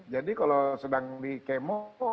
jadi kalau sedang di kemo